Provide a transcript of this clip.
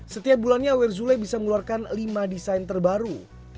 setiap bulannya werzule bisa mengeluarkan lima desain terbaru